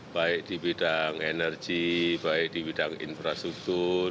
baik di bidang energi baik di bidang infrastruktur